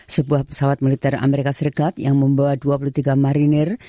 sebuah pesawat militer amerika serikat yang membawa dua puluh tiga marinir